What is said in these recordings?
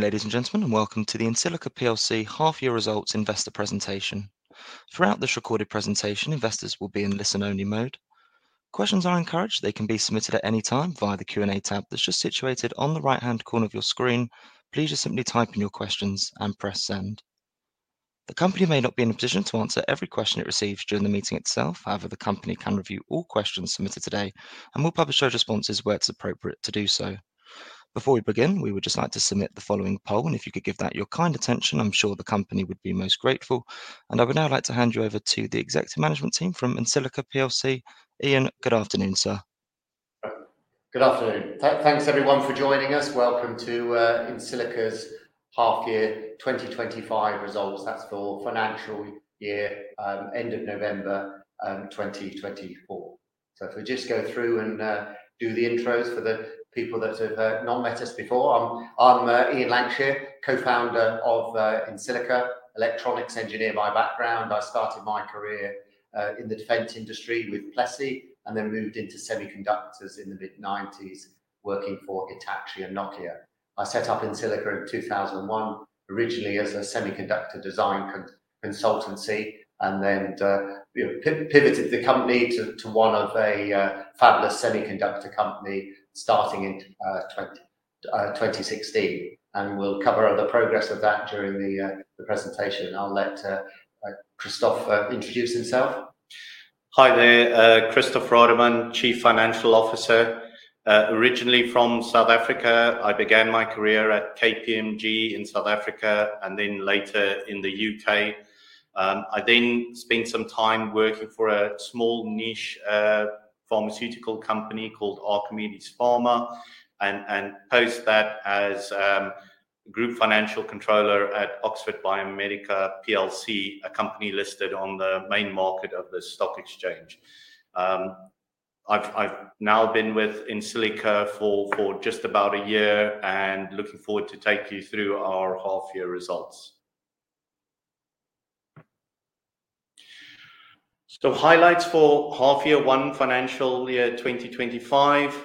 Ladies and gentlemen, welcome to the EnSilica half-year results investor presentation. Throughout this recorded presentation, investors will be in listen-only mode. Questions are encouraged; they can be submitted at any time via the Q&A tab that's just situated on the right-hand corner of your screen. Please just simply type in your questions and press send. The company may not be in a position to answer every question it receives during the meeting itself. However, the company can review all questions submitted today and will publish those responses where it's appropriate to do so. Before we begin, we would just like to submit the following poll, and if you could give that your kind attention, I'm sure the company would be most grateful. I would now like to hand you over to the executive management team from EnSilica. Ian, good afternoon, sir. Good afternoon. Thanks, everyone, for joining us. Welcome to EnSilica's half-year 2025 results. That is for financial year, end of November 2024. If we just go through and do the intros for the people that have not met us before, I'm Ian Lankshear, co-founder of EnSilica, electronics engineer by background. I started my career in the defense industry with Plessey and then moved into semiconductors in the mid-1990s, working for Hitachi and Nokia. I set up EnSilica in 2001, originally as a semiconductor design consultancy, and then pivoted the company to one of a fabless semiconductor company starting in 2016. We will cover the progress of that during the presentation. I'll let Kristoff introduce himself. Hi there. Kristoff Rademan, Chief Financial Officer. Originally from South Africa, I began my career at KPMG in South Africa and then later in the U.K. I then spent some time working for a small niche pharmaceutical company called Archimedes Pharma and post that as Group Financial Controller at Oxford Biomedica, a company listed on the main market of the stock exchange. I've now been with EnSilica for just about a year and looking forward to take you through our half-year results. Highlights for half-year one financial year 2025.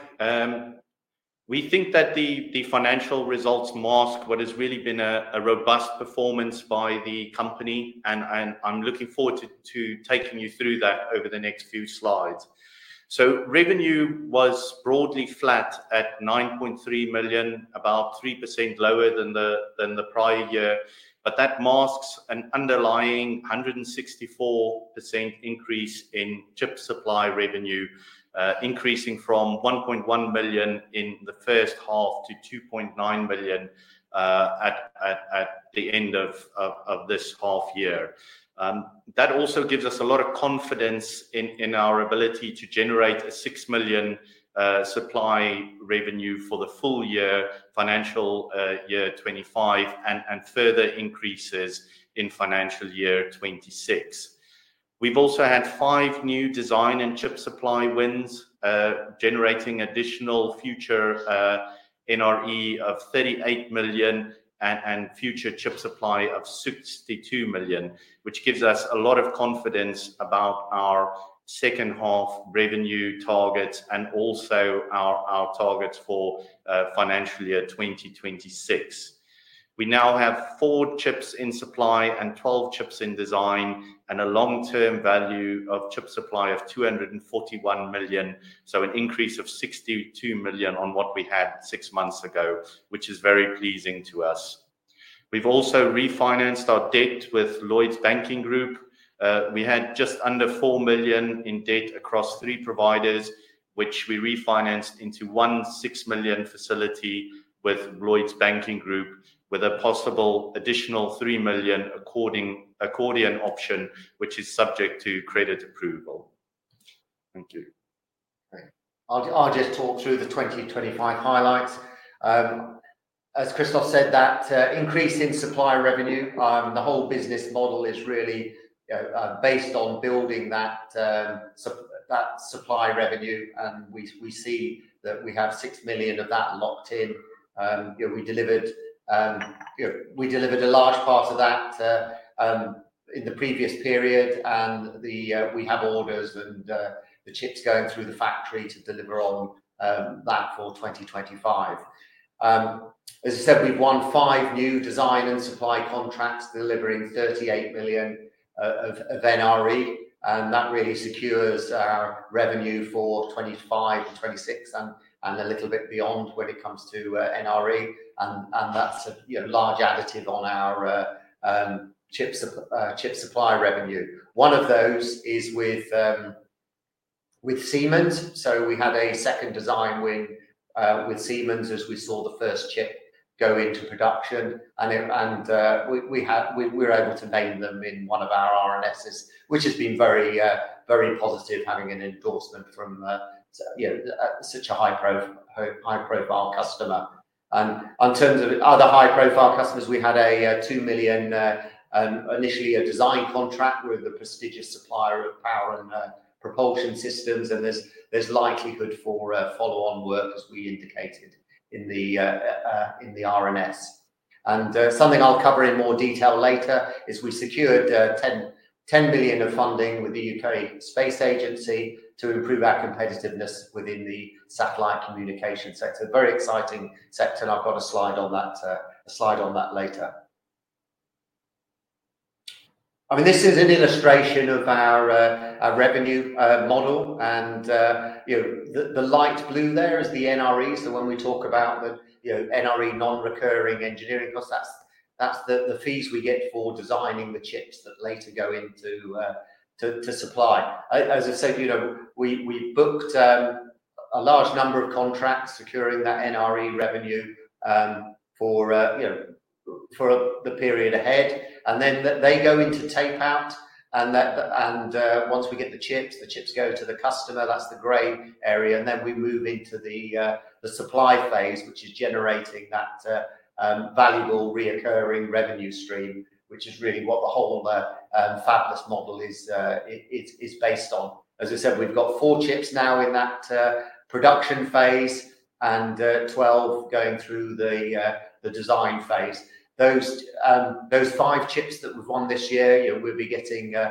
We think that the financial results mask what has really been a robust performance by the company, and I'm looking forward to taking you through that over the next few slides. Revenue was broadly flat at 9.3 million, about 3% lower than the prior year, but that masks an underlying 164% increase in chip supply revenue, increasing from 1.1 million in the first half to 2.9 million at the end of this half-year. That also gives us a lot of confidence in our ability to generate a 6 million supply revenue for the full year, financial year 2025, and further increases in financial year 2026. We have also had five new design and chip supply wins, generating additional future NRE of 38 million and future chip supply of 62 million, which gives us a lot of confidence about our second half revenue targets and also our targets for financial year 2026. We now have four chips in supply and 12 chips in design and a long-term value of chip supply of 241 million, so an increase of 62 million on what we had six months ago, which is very pleasing to us. We've also refinanced our debt with Lloyds Banking Group. We had just under 4 million in debt across three providers, which we refinanced into one 6 million facility with Lloyds Banking Group, with a possible additional 3 million accordion option, which is subject to credit approval. Thank you. I'll just talk through the 2025 highlights. As Kristoff said, that increase in supply revenue, the whole business model is really based on building that supply revenue, and we see that we have 6 million of that locked in. We delivered a large part of that in the previous period, and we have orders and the chips going through the factory to deliver on that for 2025. As I said, we've won five new design and supply contracts delivering 38 million of NRE, and that really secures our revenue for 2025 and 2026 and a little bit beyond when it comes to NRE, and that's a large additive on our chip supply revenue. One of those is with Siemens. We had a second design win with Siemens as we saw the first chip go into production, and we were able to name them in one of our R&Ss, which has been very positive having an endorsement from such a high-profile customer. In terms of other high-profile customers, we had a 2 million initial design contract with the prestigious supplier of power and propulsion systems, and there is likelihood for follow-on work, as we indicated in the R&S. Something I'll cover in more detail later is we secured 10 million of funding with the UK Space Agency to improve our competitiveness within the satellite communication sector. Very exciting sector, and I've got a slide on that later on. I mean, this is an illustration of our revenue model, and the light blue there is the NRE, so when we talk about NRE non-recurring engineering costs, that's the fees we get for designing the chips that later go into supply. As I said, we booked a large number of contracts securing that NRE revenue for the period ahead, and they go into tape out, and once we get the chips, the chips go to the customer, that's the gray area, and we move into the supply phase, which is generating that valuable recurring revenue stream, which is really what the whole fabless model is based on. As I said, we've got four chips now in that production phase and 12 going through the design phase. Those five chips that we've won this year, we'll be getting a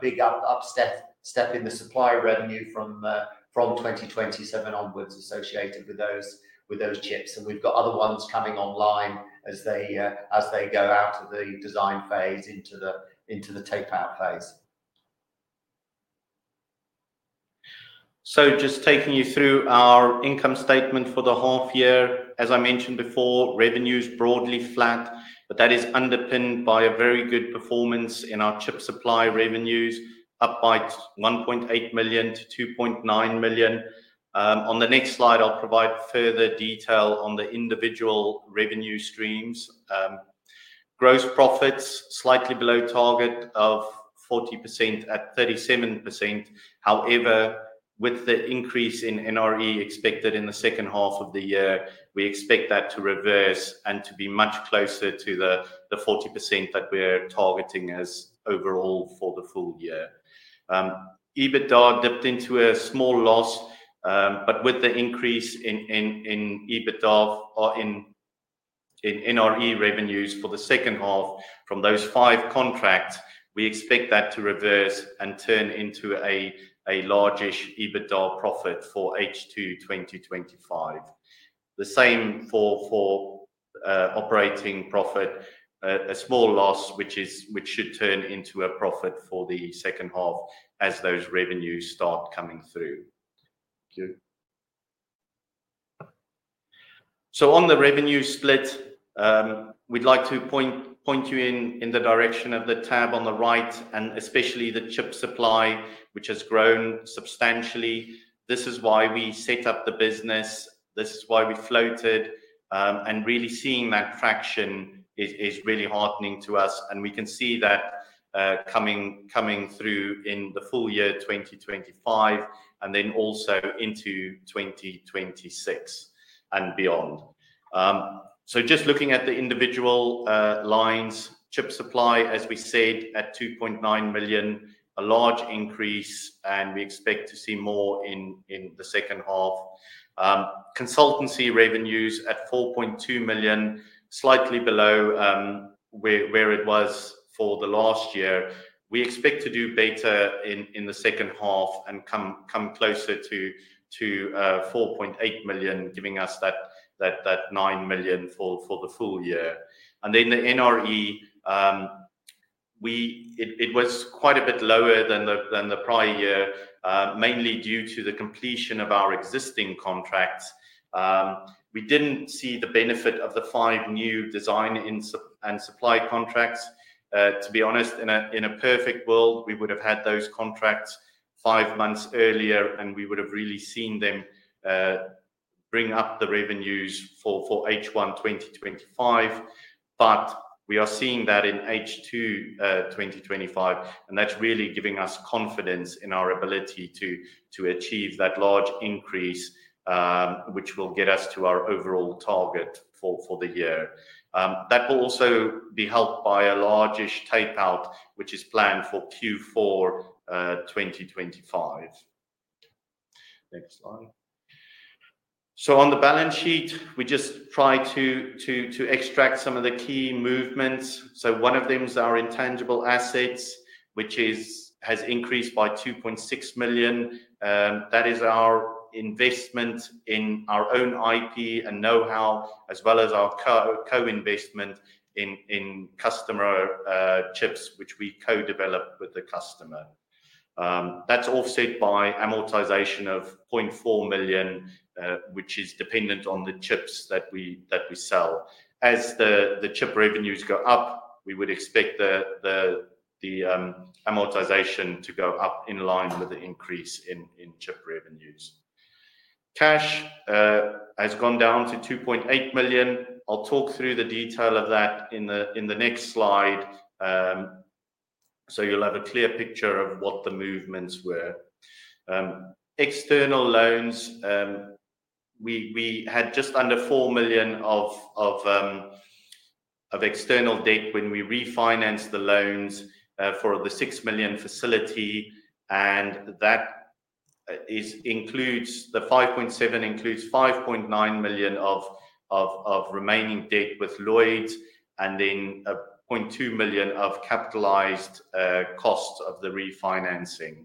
big upstep in the supply revenue from 2027 onwards associated with those chips, and we've got other ones coming online as they go out of the design phase into the tape out phase. Just taking you through our income statement for the half-year, as I mentioned before, revenues broadly flat, but that is underpinned by a very good performance in our chip supply revenues, up by 1.8 million to 2.9 million. On the next slide, I'll provide further detail on the individual revenue streams. Gross profits slightly below target of 40% at 37%. However, with the increase in NRE expected in the second half of the year, we expect that to reverse and to be much closer to the 40% that we're targeting as overall for the full year. EBITDA dipped into a small loss, but with the increase in EBITDA in NRE revenues for the second half from those five contracts, we expect that to reverse and turn into a large-ish EBITDA profit for H2 2025. The same for operating profit, a small loss, which should turn into a profit for the second half as those revenues start coming through. On the revenue split, we'd like to point you in the direction of the tab on the right, and especially the chip supply, which has grown substantially. This is why we set up the business. This is why we floated, and really seeing that fraction is really heartening to us, and we can see that coming through in the full year 2025 and then also into 2026 and beyond. Just looking at the individual lines, chip supply, as we said, at 2.9 million, a large increase, and we expect to see more in the second half. Consultancy revenues at 4.2 million, slightly below where it was for the last year. We expect to do better in the second half and come closer to 4.8 million, giving us that 9 million for the full year. The NRE was quite a bit lower than the prior year, mainly due to the completion of our existing contracts. We did not see the benefit of the five new design and supply contracts. To be honest, in a perfect world, we would have had those contracts five months earlier, and we would have really seen them bring up the revenues for H1 2025. We are seeing that in H2 2025, and that is really giving us confidence in our ability to achieve that large increase, which will get us to our overall target for the year. That will also be helped by a large-ish tape out, which is planned for Q4 2025. Next slide. On the balance sheet, we just try to extract some of the key movements. One of them is our intangible assets, which has increased by 2.6 million. That is our investment in our own IP and know-how, as well as our co-investment in customer chips, which we co-develop with the customer. That is offset by amortization of 0.4 million, which is dependent on the chips that we sell. As the chip revenues go up, we would expect the amortization to go up in line with the increase in chip revenues. Cash has gone down to 2.8 million. I'll talk through the detail of that in the next slide, so you'll have a clear picture of what the movements were. External loans, we had just under 4 million of external debt when we refinanced the loans for the 6 million facility, and that includes the 5.7 million, includes 5.9 million of remaining debt with Lloyds, and then 0.2 million of capitalized cost of the refinancing.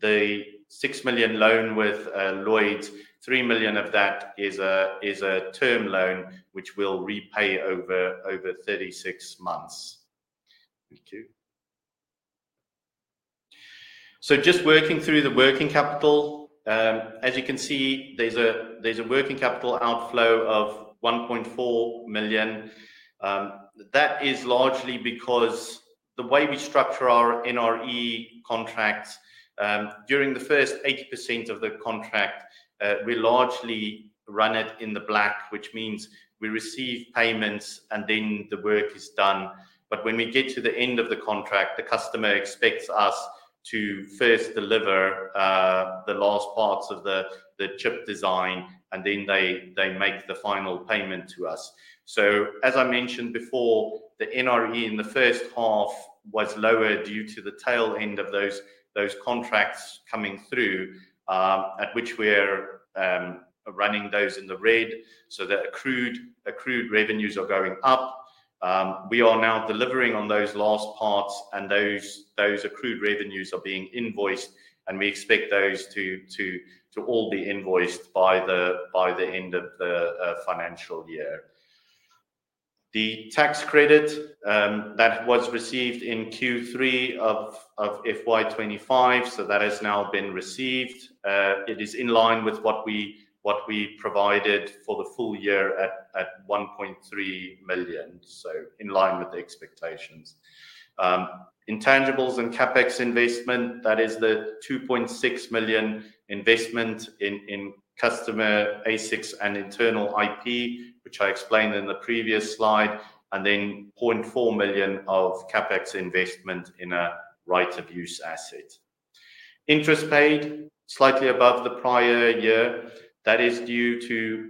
The 6 million loan with Lloyds, 3 million of that is a term loan, which will repay over 36 months. Just working through the working capital, as you can see, there's a working capital outflow of 1.4 million. That is largely because the way we structure our NRE contracts, during the first 80% of the contract, we largely run it in the black, which means we receive payments and then the work is done. When we get to the end of the contract, the customer expects us to first deliver the last parts of the chip design, and then they make the final payment to us. As I mentioned before, the NRE in the first half was lower due to the tail end of those contracts coming through, at which we're running those in the red, so the accrued revenues are going up. We are now delivering on those last parts, and those accrued revenues are being invoiced, and we expect those to all be invoiced by the end of the financial year. The tax credit that was received in Q3 of FY2025, that has now been received. It is in line with what we provided for the full year at 1.3 million, in line with the expectations. Intangibles and CapEx investment, that is the 2.6 million investment in customer ASICs and internal IP, which I explained in the previous slide, and then 0.4 million of CapEx investment in a right-of-use asset. Interest paid slightly above the prior year. That is due to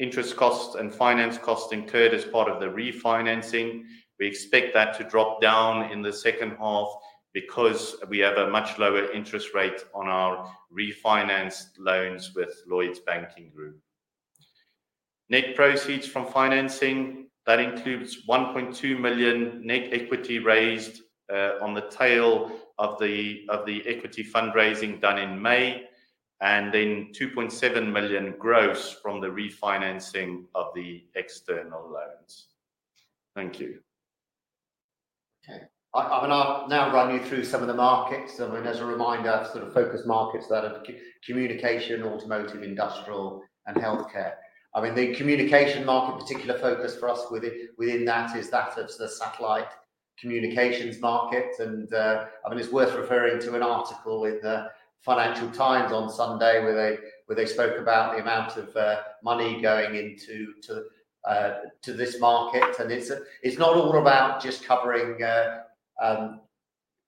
interest costs and finance costs incurred as part of the refinancing. We expect that to drop down in the second half because we have a much lower interest rate on our refinanced loans with Lloyds Banking Group. Net proceeds from financing, that includes 1.2 million net equity raised on the tail of the equity fundraising done in May, and then 2.7 million gross from the refinancing of the external loans. Thank you. Okay. I'm going to now run you through some of the markets. I mean, as a reminder, sort of focus markets that are communication, automotive, industrial, and healthcare. I mean, the communication market, particular focus for us within that is that of the satellite communications market, and I mean, it's worth referring to an article in the Financial Times on Sunday where they spoke about the amount of money going into this market, and it's not all about just covering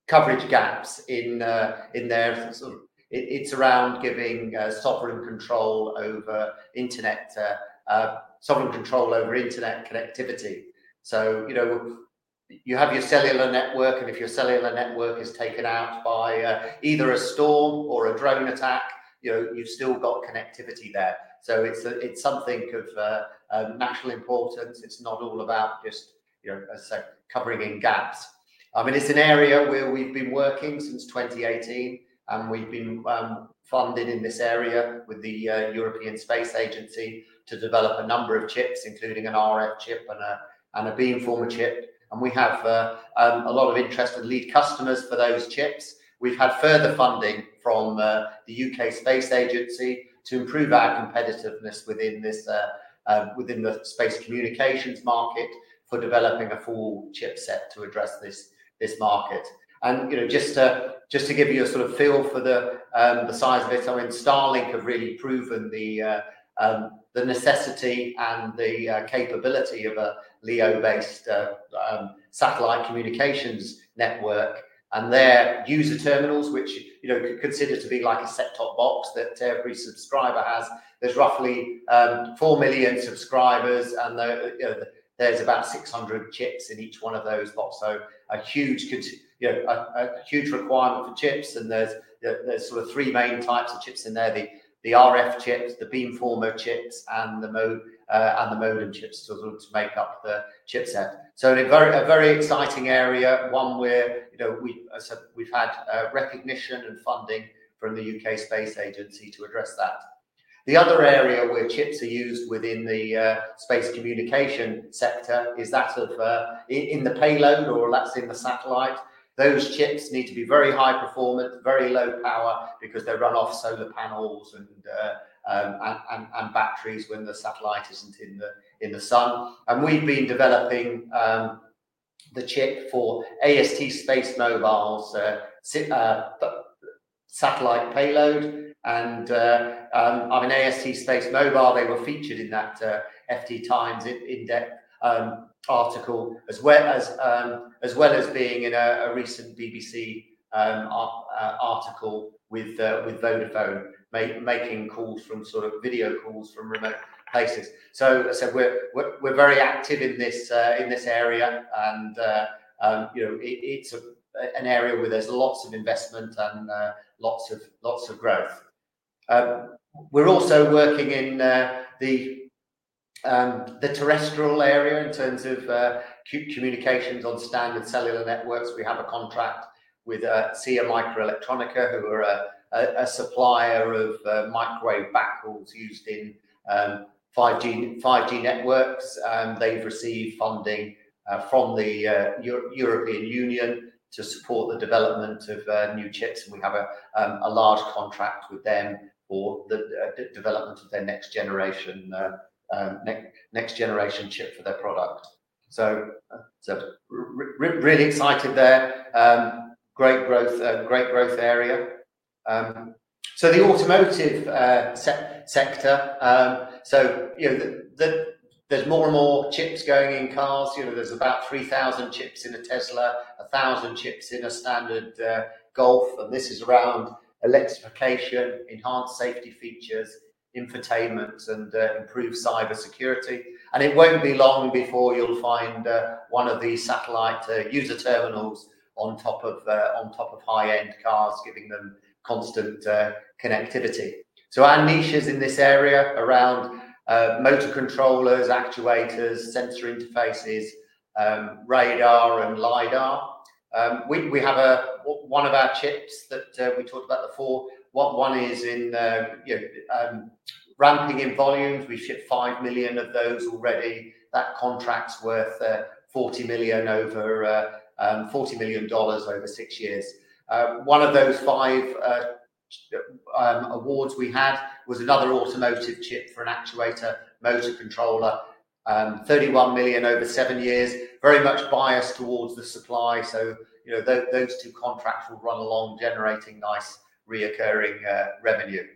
coverage gaps in their sort of, it's around giving sovereign control over internet, sovereign control over internet connectivity. You have your cellular network, and if your cellular network is taken out by either a storm or a drone attack, you've still got connectivity there. It's something of national importance. It's not all about just, as I said, covering in gaps. I mean, it's an area where we've been working since 2018, and we've been funded in this area with the European Space Agency to develop a number of chips, including an RF chip and a beamformer chip, and we have a lot of interest in lead customers for those chips. We have had further funding from the UK Space Agency to improve our competitiveness within the space communications market for developing a full chip set to address this market. Just to give you a sort of feel for the size of it, I mean, Starlink have really proven the necessity and the capability of a LEO-based satellite communications network, and their user terminals, which you consider to be like a set-top box that every subscriber has. There's roughly 4 million subscribers, and there's about 600 chips in each one of those boxes, so a huge requirement for chips, and there's sort of three main types of chips in there: the RF chips, the beamformer chips, and the modem chips to make up the chipset. A very exciting area, one where we've had recognition and funding from the UK Space Agency to address that. The other area where chips are used within the space communication sector is that of in the payload, or that's in the satellite. Those chips need to be very high-performant, very low power, because they run off solar panels and batteries when the satellite isn't in the sun. We've been developing the chip for AST SpaceMobile's satellite payload, and I mean, AST SpaceMobile, they were featured in that FT Times in-depth article, as well as being in a recent BBC article with Vodafone making calls from sort of video calls from remote places. I said we're very active in this area, and it's an area where there's lots of investment and lots of growth. We're also working in the terrestrial area in terms of communications on standard cellular networks. We have a contract with SIAE Microelettronica, who are a supplier of microwave backhauls used in 5G networks, and they've received funding from the European Union to support the development of new chips, and we have a large contract with them for the development of their next-generation chip for their product. Really excited there. Great growth area. The automotive sector, there's more and more chips going in cars. There's about 3,000 chips in a Tesla, 1,000 chips in a standard Golf, and this is around electrification, enhanced safety features, infotainment, and improved cybersecurity. It won't be long before you'll find one of these satellite user terminals on top of high-end cars, giving them constant connectivity. Our niche is in this area around motor controllers, actuators, sensor interfaces, radar, and LIDAR. We have one of our chips that we talked about before. One is ramping in volumes. We shipped 5 million of those already. That contract's worth $40 million over six years. One of those five awards we had was another automotive chip for an actuator motor controller, $31 million over seven years, very much biased towards the supply. Those two contracts will run along, generating nice reoccurring revenue.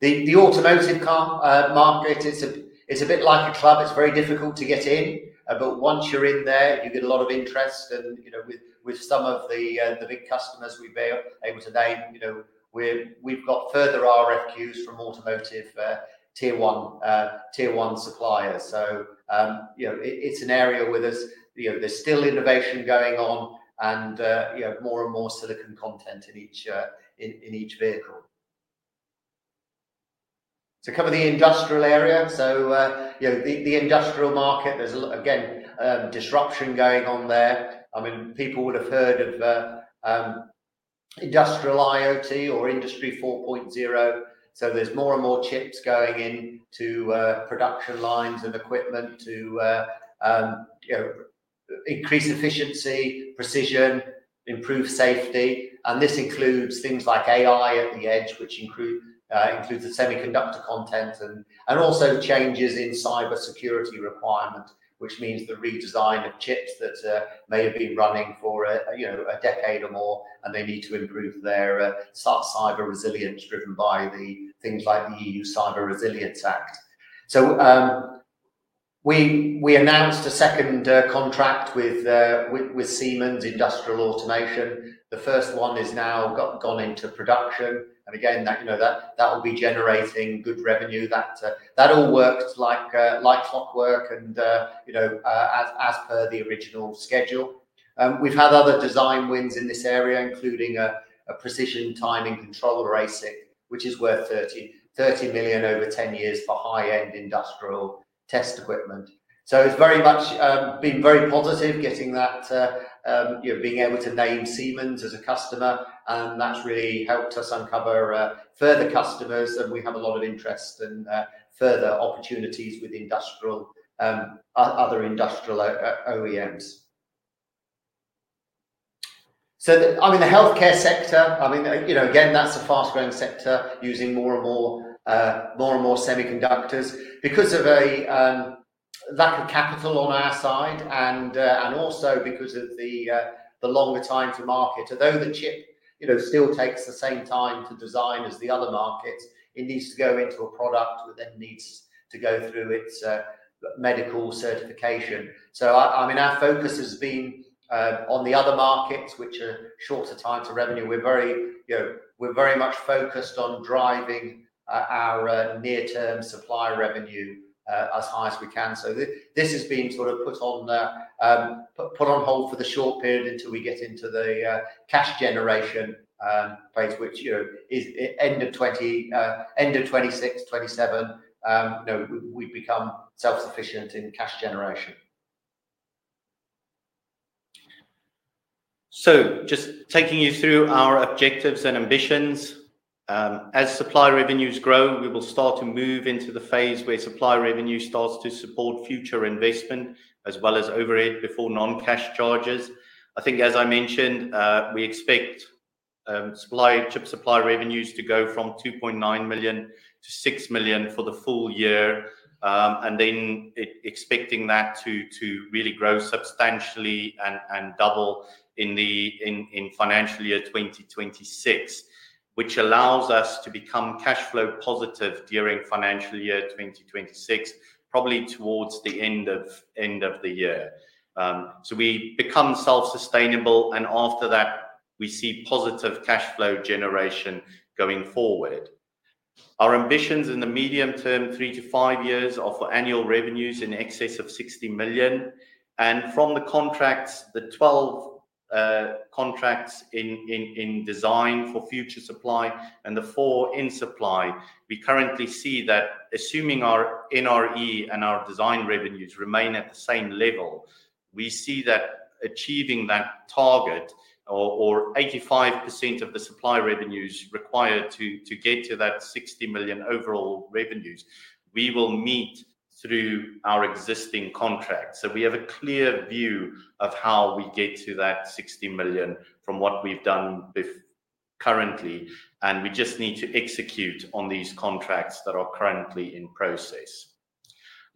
The automotive market is a bit like a club. It's very difficult to get in, but once you're in there, you get a lot of interest, and with some of the big customers we've been able to name, we've got further RFQs from automotive tier one suppliers. It's an area where there's still innovation going on and more and more silicon content in each vehicle. To cover the industrial area, the industrial market, there's again disruption going on there. I mean, people would have heard of industrial IoT or Industry 4.0, so there's more and more chips going into production lines and equipment to increase efficiency, precision, improve safety, and this includes things like AI at the edge, which includes the semiconductor content and also changes in cybersecurity requirement, which means the redesign of chips that may have been running for a decade or more, and they need to improve their cyber resilience driven by things like the EU Cyber Resilience Act. We announced a second contract with Siemens Industrial Automation. The first one has now gone into production, and again, that will be generating good revenue. That all works like clockwork and as per the original schedule. We've had other design wins in this area, including a precision timing controller ASIC, which is worth 30 million over 10 years for high-end industrial test equipment. It's very much been very positive getting that, being able to name Siemens as a customer, and that's really helped us uncover further customers, and we have a lot of interest in further opportunities with other industrial OEMs. I mean, the healthcare sector, I mean, again, that's a fast-growing sector using more and more semiconductors because of a lack of capital on our side and also because of the longer time to market. Although the chip still takes the same time to design as the other markets, it needs to go into a product that then needs to go through its medical certification. I mean, our focus has been on the other markets, which are shorter times to revenue. We're very much focused on driving our near-term supply revenue as high as we can. This has been sort of put on hold for the short period until we get into the cash generation phase, which is end of 2026-2027, we become self-sufficient in cash generation. Just taking you through our objectives and ambitions, as supply revenues grow, we will start to move into the phase where supply revenue starts to support future investment as well as overhead before non-cash charges. I think, as I mentioned, we expect chip supply revenues to go from 2.9 million to 6 million for the full year, and then expecting that to really grow substantially and double in financial year 2026, which allows us to become cash flow positive during financial year 2026, probably towards the end of the year. We become self-sustainable, and after that, we see positive cash flow generation going forward. Our ambitions in the medium term, three to five years, are for annual revenues in excess of 60 million, and from the contracts, the 12 contracts in design for future supply and the four in supply, we currently see that assuming our NRE and our design revenues remain at the same level, we see that achieving that target or 85% of the supply revenues required to get to that 60 million overall revenues, we will meet through our existing contracts. We have a clear view of how we get to that 60 million from what we've done currently, and we just need to execute on these contracts that are currently in process.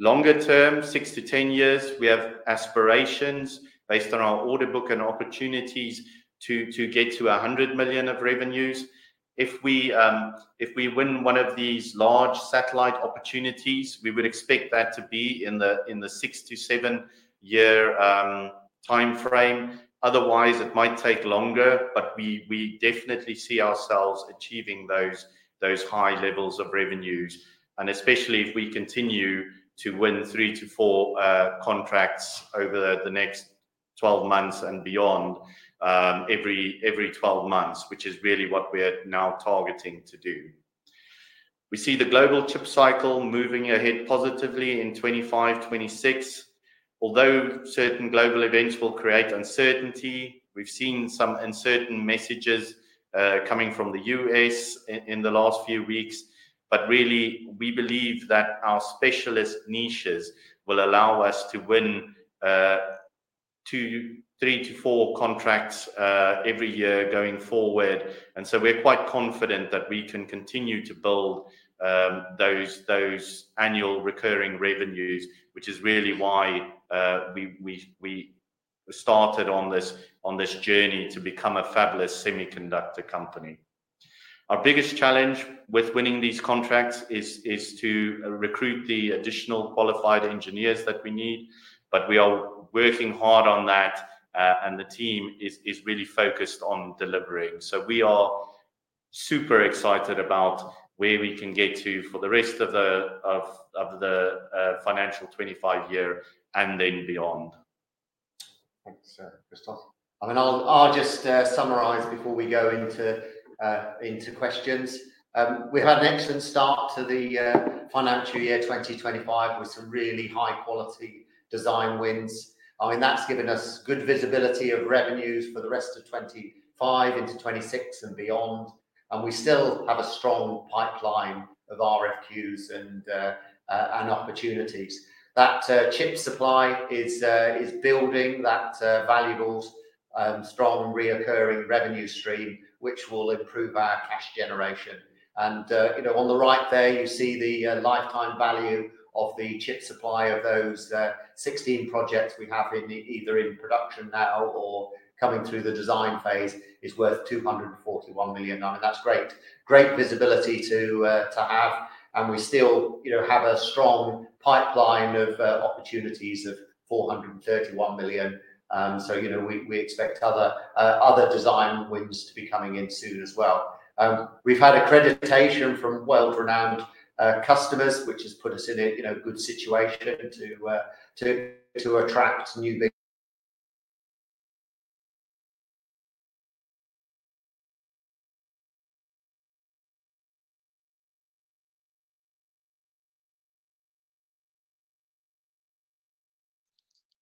Longer term, six to 10 years, we have aspirations based on our order book and opportunities to get to 100 million of revenues. If we win one of these large satellite opportunities, we would expect that to be in the six- to seven-year timeframe. Otherwise, it might take longer, but we definitely see ourselves achieving those high levels of revenues, and especially if we continue to win three to four contracts over the next 12 months and beyond every 12 months, which is really what we're now targeting to do. We see the global chip cycle moving ahead positively in 2025, 2026. Although certain global events will create uncertainty, we've seen some uncertain messages coming from the U.S. in the last few weeks, but really, we believe that our specialist niches will allow us to win three to four contracts every year going forward, and we are quite confident that we can continue to build those annual recurring revenues, which is really why we started on this journey to become a fabless semiconductor company. Our biggest challenge with winning these contracts is to recruit the additional qualified engineers that we need, but we are working hard on that, and the team is really focused on delivering. We are super excited about where we can get to for the rest of the financial 2025 year and then beyond. Thanks, Kristoff. I mean, I'll just summarize before we go into questions. We've had an excellent start to the financial year 2025 with some really high-quality design wins. I mean, that's given us good visibility of revenues for the rest of 2025 into 2026 and beyond, and we still have a strong pipeline of RFQs and opportunities. That chip supply is building that valuable strong recurring revenue stream, which will improve our cash generation. On the right there, you see the lifetime value of the chip supply of those 16 projects we have either in production now or coming through the design phase is worth 241 million. I mean, that's great visibility to have, and we still have a strong pipeline of opportunities of 431 million. We expect other design wins to be coming in soon as well. We've had accreditation from world-renowned customers, which has put us in a good situation to attract new.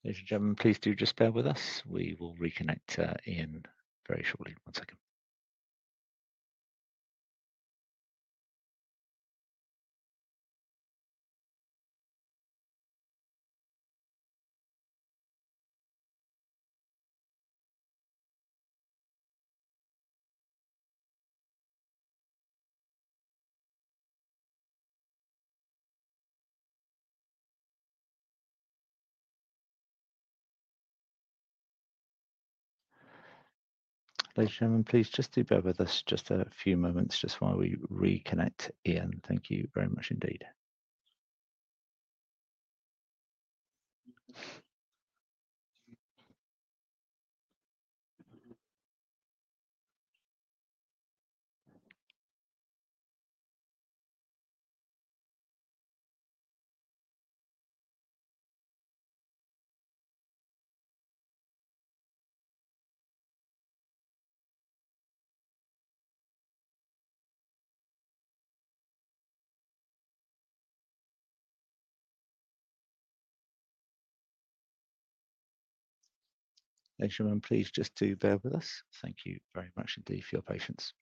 If you can please do just bear with us. We will reconnect in very shortly. One second. Please do bear with us just a few moments just while we reconnect in. Thank you very much indeed. Thanks, everyone. Please just do bear with us. Thank you very much indeed for your patience.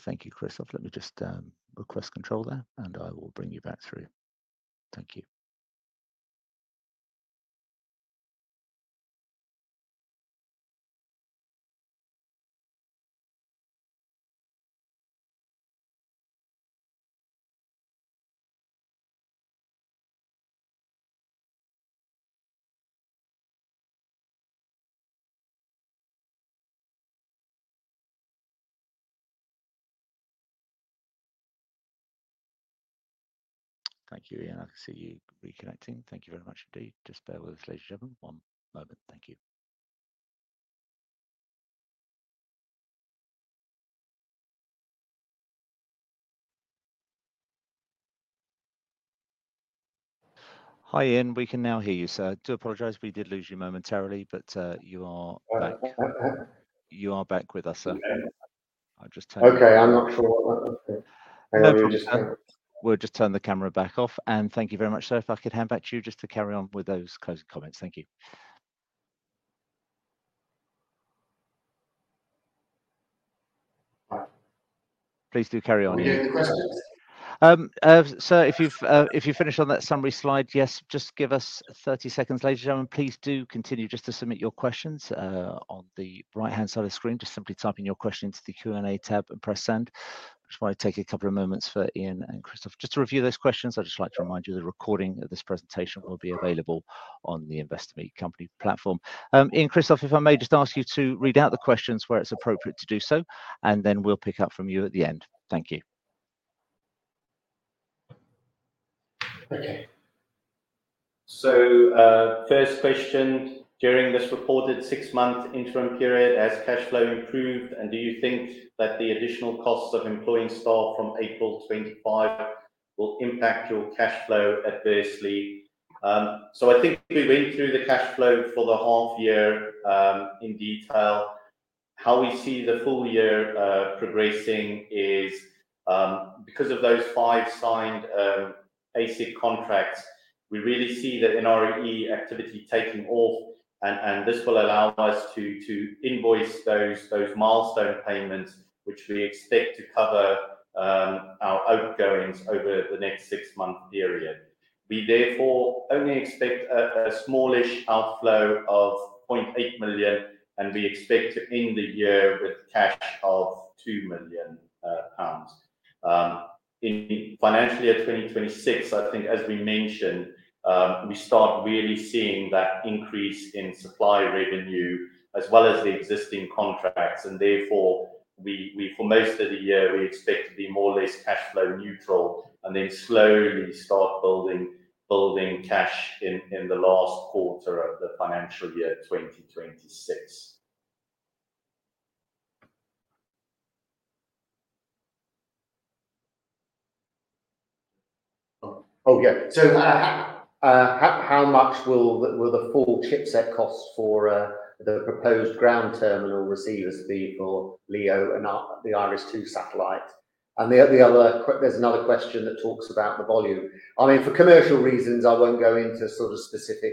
Thank you, Kristoff. Let me just request control there, and I will bring you back through. Thank you. Thank you. I can see you reconnecting. Thank you very much indeed. Just bear with us, ladies and gentlemen. One moment. Thank you. Hi, Ian. We can now hear you, sir. I do apologise. We did lose you momentarily, but you are back. You are back with us. I'll just turn. Okay. I'm not sure what that was. We'll just turn the camera back off. Thank you very much, sir. If I could hand back to you just to carry on with those closing comments. Thank you. Please do carry on. Any other questions? Sir, if you've finished on that summary slide, yes, just give us 30 seconds. Ladies and gentlemen, please do continue just to submit your questions on the right-hand side of the screen. Just simply type in your question into the Q&A tab and press send. Just want to take a couple of moments for Ian and Kristoff just to review those questions. I'd just like to remind you the recording of this presentation will be available on the Investor Meet Company platform. Ian, Kristoff, if I may just ask you to read out the questions where it's appropriate to do so, and then we'll pick up from you at the end. Thank you. Okay. First question, during this reported six-month interim period, has cash flow improved, and do you think that the additional costs of employing staff from April 25 will impact your cash flow adversely? I think we went through the cash flow for the half year in detail. How we see the full year progressing is because of those five signed ASIC contracts, we really see the NRE activity taking off, and this will allow us to invoice those milestone payments, which we expect to cover our outgoings over the next six-month period. We therefore only expect a smallish outflow of 0.8 million, and we expect to end the year with cash of 2 million pounds. In financial year 2026, I think, as we mentioned, we start really seeing that increase in supply revenue as well as the existing contracts, and therefore, for most of the year, we expect to be more or less cash flow neutral and then slowly start building cash in the last quarter of the financial year 2026. Okay. How much will the full chipset cost for the proposed ground terminal receivers be for LEO and the IRIS² satellite? There is another question that talks about the volume. I mean, for commercial reasons, I won't go into sort of specific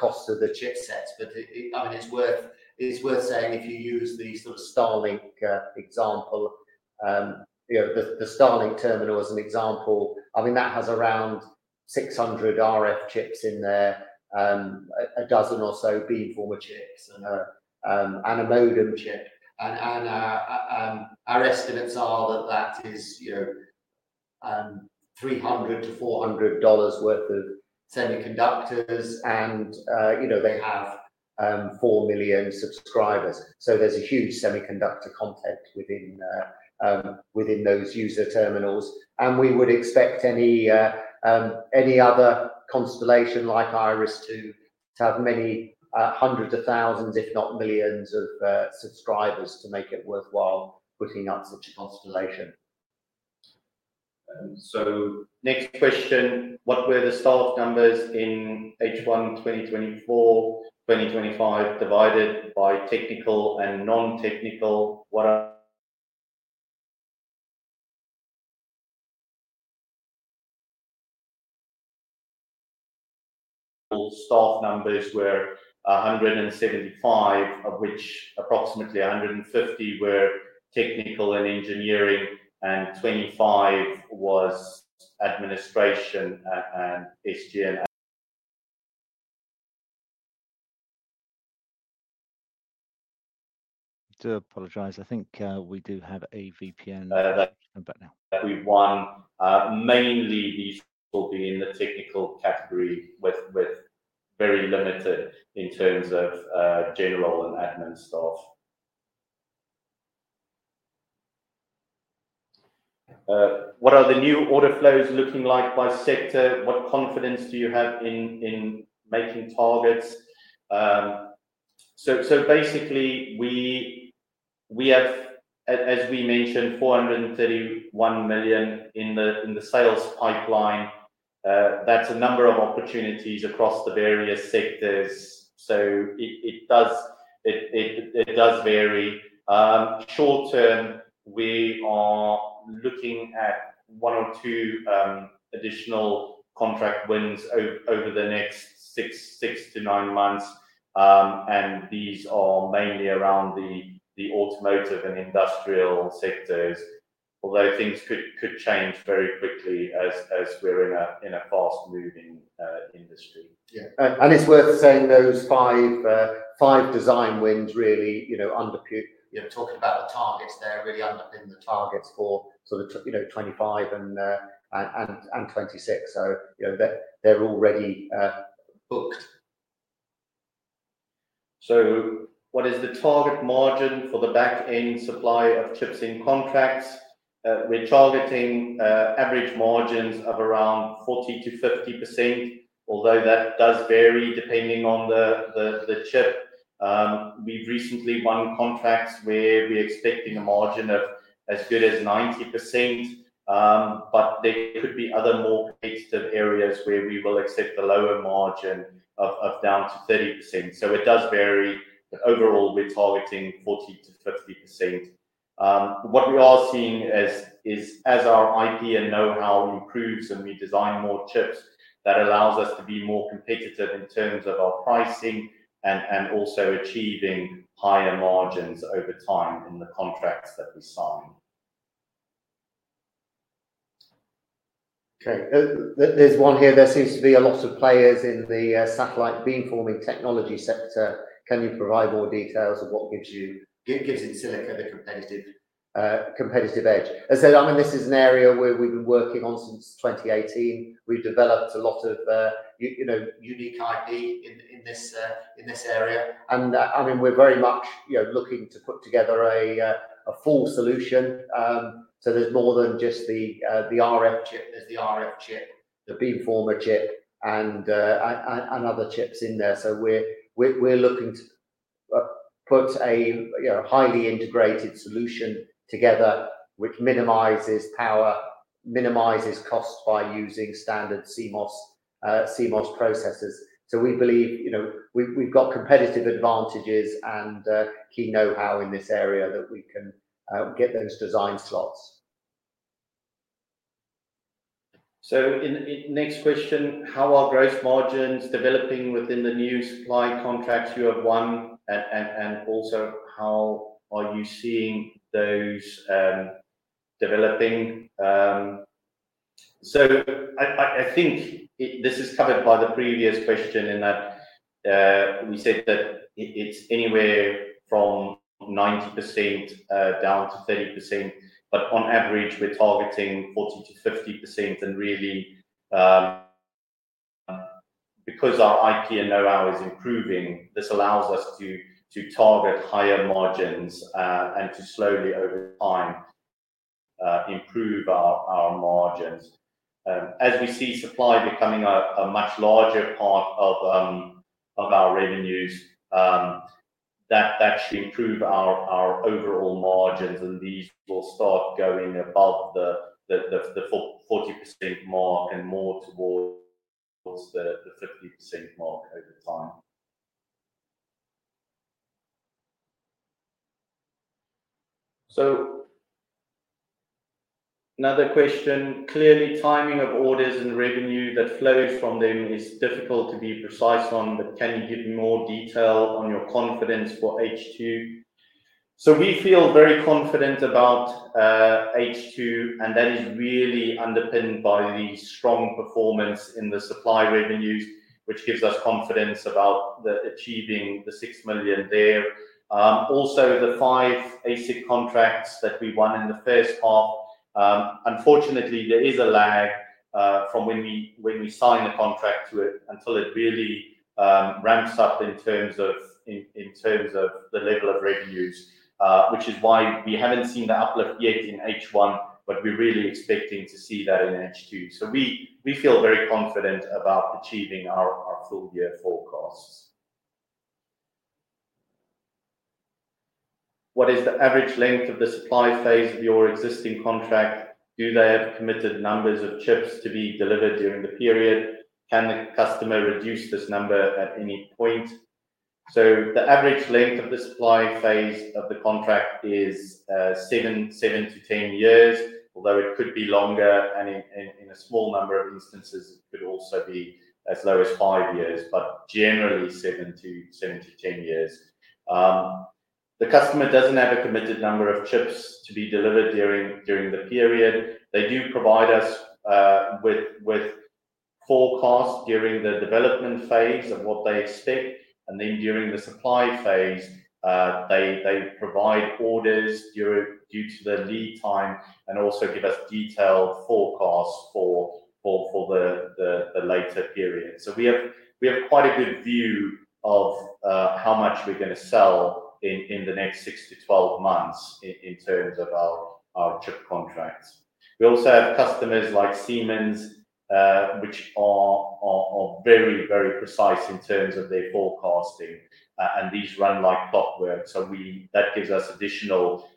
costs of the chipsets, but I mean, it's worth saying if you use the sort of Starlink example, the Starlink terminal as an example, that has around 600 RF chips in there, a dozen or so beamformer chips, and a modem chip. Our estimates are that that is $300-$400 worth of semiconductors, and they have 4 million subscribers. There is a huge semiconductor content within those user terminals. We would expect any other constellation like IRIS² to have many hundreds of thousands, if not millions, of subscribers to make it worthwhile putting up such a constellation. Next question, what were the staff numbers in H1 2024, 2025 divided by technical and non-technical? Staff numbers were 175, of which approximately 150 were technical and engineering, and 25 was administration and SGN. I do apologize. I think we do have a VPN. We've won. Mainly these will be in the technical category with very limited in terms of general and admin staff. What are the new order flows looking like by sector? What confidence do you have in making targets? As we mentioned, 431 million in the sales pipeline. That's a number of opportunities across the various sectors. It does vary. Short term, we are looking at one or two additional contract wins over the next six to nine months, and these are mainly around the automotive and industrial sectors, although things could change very quickly as we're in a fast-moving industry. Yeah. It's worth saying those five design wins really, under talking about the targets there, really underpin the targets for sort of 2025 and 2026. They're already booked. What is the target margin for the back-end supply of chips in contracts? We're targeting average margins of around 40-50%, although that does vary depending on the chip. We've recently won contracts where we're expecting a margin of as good as 90%, but there could be other more competitive areas where we will accept a lower margin of down to 30%. It does vary, but overall, we're targeting 40-50%. What we are seeing is, as our IP and know-how improves and we design more chips, that allows us to be more competitive in terms of our pricing and also achieving higher margins over time in the contracts that we sign. Okay. There's one here that seems to be a lot of players in the satellite beamforming technology sector. Can you provide more details of what gives you? It gives EnSilica the competitive edge. As I said, I mean, this is an area where we've been working on since 2018. We've developed a lot of unique IP in this area. I mean, we're very much looking to put together a full solution. There's more than just the RF chip. There's the RF chip, the beamformer chip, and other chips in there. We're looking to put a highly integrated solution together which minimizes power, minimizes cost by using standard CMOS processors. We believe we've got competitive advantages and key know-how in this area that we can get those design slots. Next question, how are gross margins developing within the new supply contracts you have won? Also, how are you seeing those developing? I think this is covered by the previous question in that we said that it's anywhere from 90% down to 30%, but on average, we're targeting 40-50%. Really, because our IP and know-how is improving, this allows us to target higher margins and to slowly, over time, improve our margins. As we see supply becoming a much larger part of our revenues, that should improve our overall margins, and these will start going above the 40% mark and more towards the 50% mark over time. Another question, clearly timing of orders and revenue that flows from them is difficult to be precise on, but can you give me more detail on your confidence for H2? We feel very confident about H2, and that is really underpinned by the strong performance in the supply revenues, which gives us confidence about achieving the 6 million there. Also, the five ASIC contracts that we won in the first half, unfortunately, there is a lag from when we sign the contract to it until it really ramps up in terms of the level of revenues, which is why we have not seen the uplift yet in H1, but we are really expecting to see that in H2. We feel very confident about achieving our full-year forecasts. What is the average length of the supply phase of your existing contract? Do they have committed numbers of chips to be delivered during the period? Can the customer reduce this number at any point? The average length of the supply phase of the contract is 7-10 years, although it could be longer, and in a small number of instances, it could also be as low as 5 years, but generally 7-10 years. The customer does not have a committed number of chips to be delivered during the period. They do provide us with forecasts during the development phase of what they expect, and then during the supply phase, they provide orders due to the lead time and also give us detailed forecasts for the later period. We have quite a good view of how much we are going to sell in the next 6-12 months in terms of our chip contracts. We also have customers like Siemens, which are very, very precise in terms of their forecasting, and these run like clockwork. That gives us additional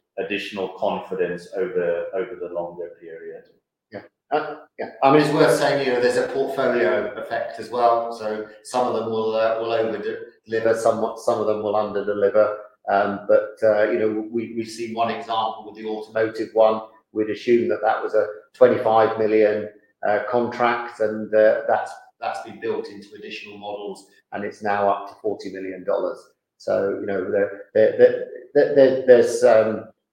confidence over the longer period. Yeah. I mean, it's worth saying there's a portfolio effect as well. Some of them will over-deliver, some of them will under-deliver. We've seen one example with the automotive one. We'd assume that that was a $25 million contract, and that's been built into additional models, and it's now up to $40 million. There's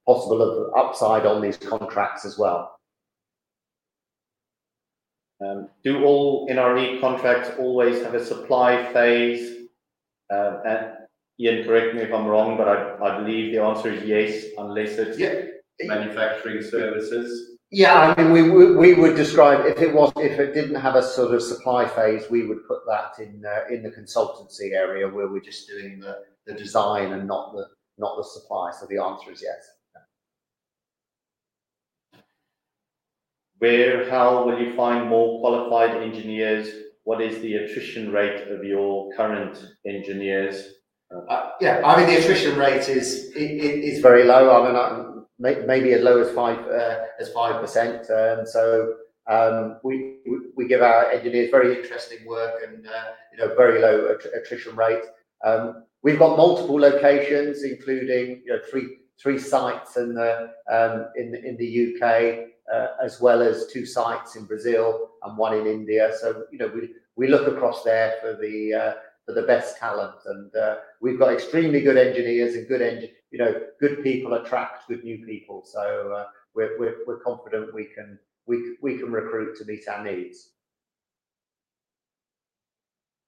possible upside on these contracts as well. Do all NRE contracts always have a supply phase? Ian, correct me if I'm wrong, but I believe the answer is yes, unless it's manufacturing services. Yeah. I mean, we would describe if it didn't have a sort of supply phase, we would put that in the consultancy area where we're just doing the design and not the supply. The answer is yes. Where and how will you find more qualified engineers? What is the attrition rate of your current engineers? Yeah. I mean, the attrition rate is very low. I mean, maybe as low as 5%. We give our engineers very interesting work and very low attrition rate. We've got multiple locations, including three sites in the U.K., as well as two sites in Brazil and one in India. We look across there for the best talent. We've got extremely good engineers and good people attract good new people. We are confident we can recruit to meet our needs.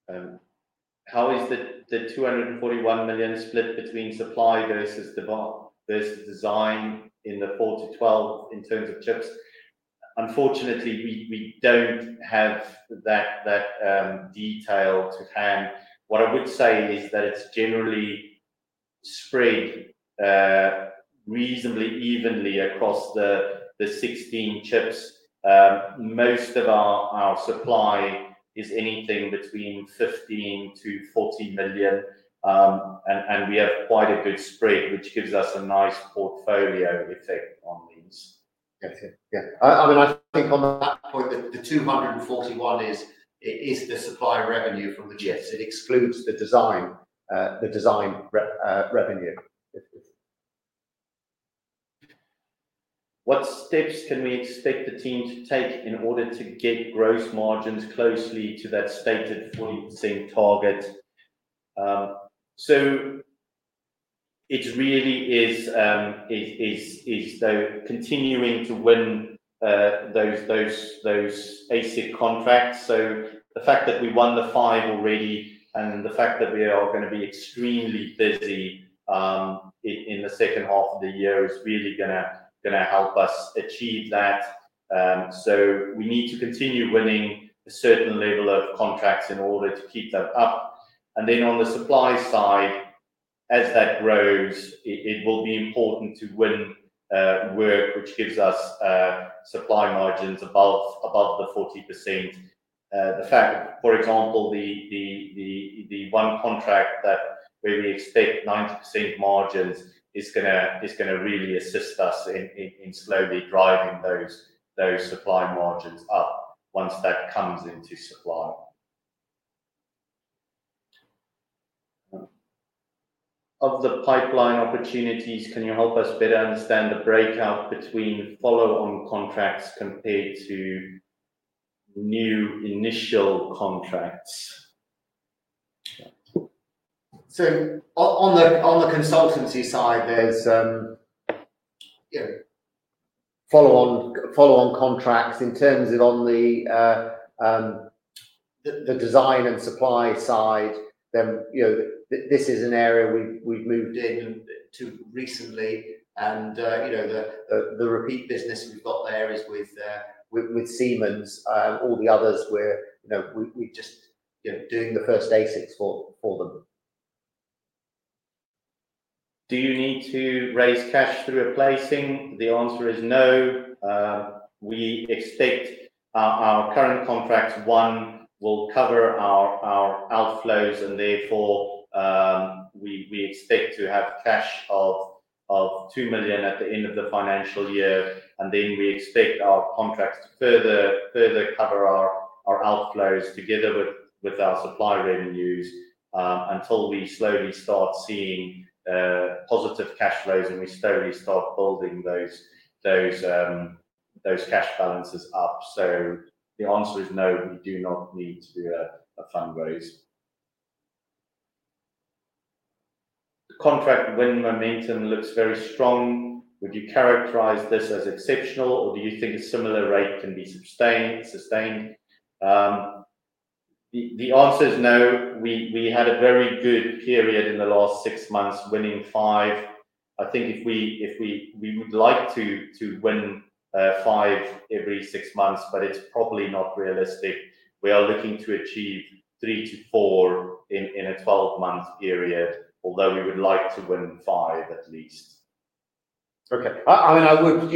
How is the 241 million split between supply versus design in the 4-12 in terms of chips? Unfortunately, we do not have that detail to hand. What I would say is that it is generally spread reasonably evenly across the 16 chips. Most of our supply is anything between 15-40 million, and we have quite a good spread, which gives us a nice portfolio effect on these. Yeah. I mean, I think on that point, the 241 is the supply revenue from the chips. It excludes the design revenue. What steps can we expect the team to take in order to get gross margins closely to that stated 40% target? It really is continuing to win those ASIC contracts. The fact that we won the five already and the fact that we are going to be extremely busy in the second half of the year is really going to help us achieve that. We need to continue winning a certain level of contracts in order to keep them up. On the supply side, as that grows, it will be important to win work which gives us supply margins above the 40%. The fact, for example, the one contract where we expect 90% margins is going to really assist us in slowly driving those supply margins up once that comes into supply. Of the pipeline opportunities, can you help us better understand the breakout between follow-on contracts compared to new initial contracts? On the consultancy side, there are follow-on contracts. In terms of the design and supply side, this is an area we have moved into recently. The repeat business we have there is with Siemens. All the others, we are just doing the first ASICs for them. Do you need to raise cash through replacing? The answer is no. We expect our current contracts won will cover our outflows, and therefore, we expect to have 2 million at the end of the financial year. We expect our contracts to further cover our outflows together with our supply revenues until we slowly start seeing positive cash flows and we slowly start building those cash balances up. The answer is no, we do not need to fundraise. The contract win momentum looks very strong. Would you characterize this as exceptional, or do you think a similar rate can be sustained? The answer is no. We had a very good period in the last six months winning five. I think we would like to win five every six months, but it is probably not realistic. We are looking to achieve three to four in a 12-month period, although we would like to win five at least. Okay. I mean, I would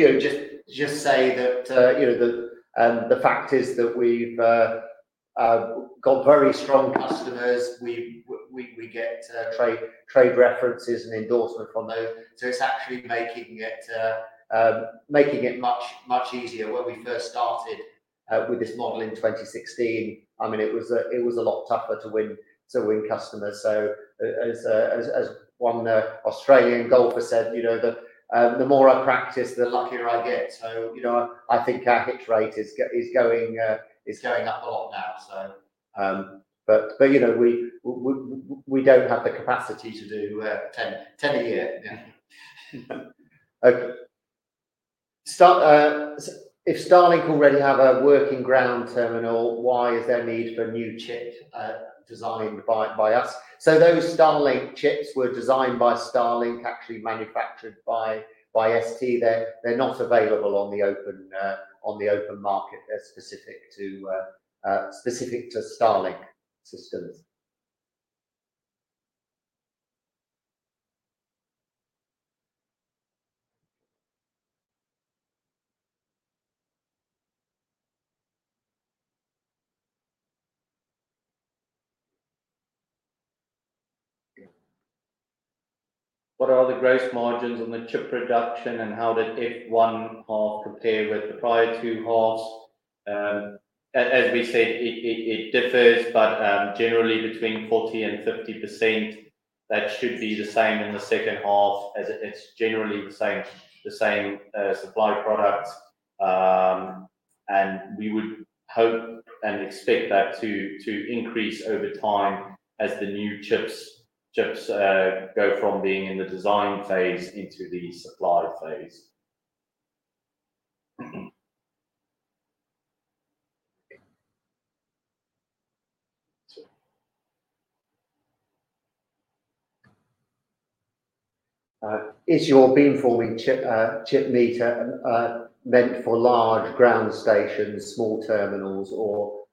just say that the fact is that we've got very strong customers. We get trade references and endorsements from those. It's actually making it much easier. When we first started with this model in 2016, I mean, it was a lot tougher to win customers. As one Australian golfer said, "The more I practise, the luckier I get." I think our hit rate is going up a lot now. We don't have the capacity to do 10 a year. Okay. If Starlink already has a working ground terminal, why is there need for a new chip designed by us? Those Starlink chips were designed by Starlink, actually manufactured by ST. They're not available on the open market. They're specific to Starlink systems. What are the gross margins on the chip production, and how did F1 half compare with the prior two halves? As we said, it differs, but generally between 40% and 50%, that should be the same in the second half as it's generally the same supply product. We would hope and expect that to increase over time as the new chips go from being in the design phase into the supply phase. Is your beamforming chip meter meant for large ground stations, small terminals, or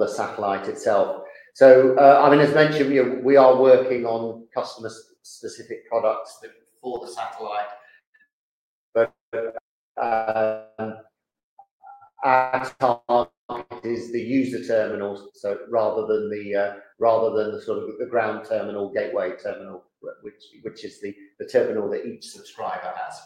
the satellite itself? I mean, as mentioned, we are working on customer-specific products for the satellite. Our target is the user terminals rather than the sort of ground terminal, gateway terminal, which is the terminal that each subscriber has.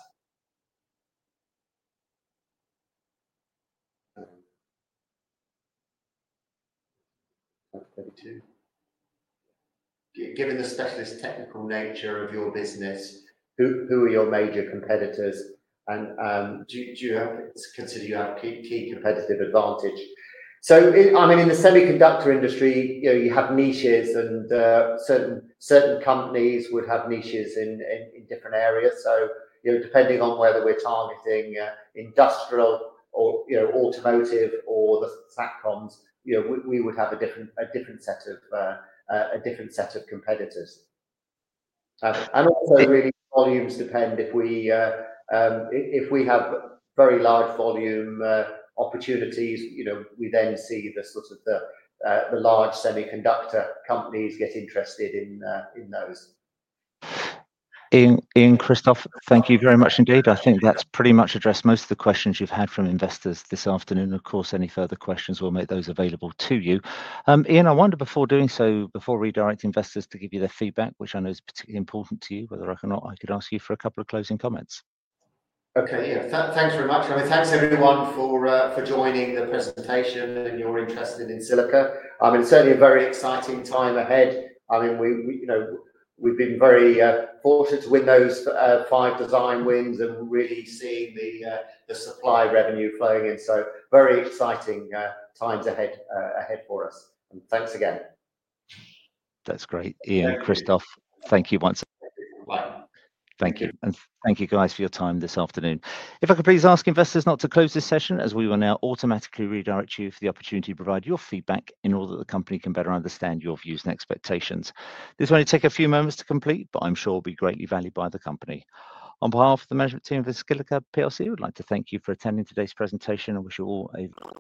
Given the specialist technical nature of your business, who are your major competitors? Do you consider you have key competitive advantage? I mean, in the semiconductor industry, you have niches, and certain companies would have niches in different areas. Depending on whether we're targeting industrial or automotive or the SATCOMs, we would have a different set of competitors. Also, really, volumes depend. If we have very large volume opportunities, we then see the large semiconductor companies get interested in those. Ian, Kristoff, thank you very much indeed. I think that's pretty much addressed most of the questions you've had from investors this afternoon. Of course, any further questions, we'll make those available to you. Ian, I wonder before doing so, before redirecting investors to give you their feedback, which I know is particularly important to you, whether I can or not, I could ask you for a couple of closing comments. Okay. Thanks very much. I mean, thanks everyone for joining the presentation and your interest in EnSilica. I mean, certainly a very exciting time ahead. I mean, we've been very fortunate to win those five design wins and really see the supply revenue flowing in. Very exciting times ahead for us. Thank you again. That's great. Ian, Kristoff, thank you once again. Thank you. Thank you guys for your time this afternoon. If I could please ask investors not to close this session as we will now automatically redirect you for the opportunity to provide your feedback in order that the company can better understand your views and expectations. This will only take a few moments to complete, but I'm sure will be greatly valued by the company. On behalf of the management team of EnSilica, I would like to thank you for attending today's presentation and wish you all a.